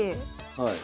はい。